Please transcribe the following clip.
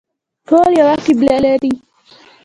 ټول یوه قبله لري